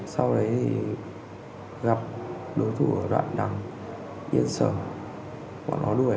sau đấy thì gặp đối thủ ở đoạn đằng yên sở bọn nó đuổi